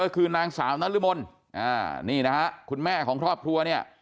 คือนางสาวน้ำลึมนคุณแม่ของครอบครัว